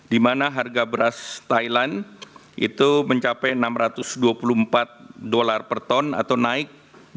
di mana harga beras thailand itu mencapai enam ratus dua puluh empat dolar per ton atau naik